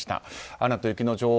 「アナと雪の女王」